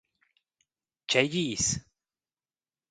Tgei dis?